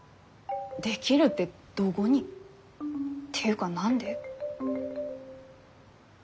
出来るってどごに？っていうか何で？